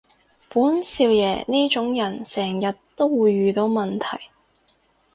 本少爺呢種人成日都會遇到問題